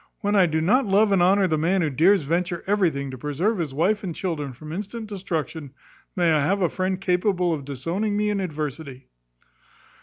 When I do not love and honour the man who dares venture everything to preserve his wife and children from instant destruction, may I have a friend capable of disowning me in adversity!"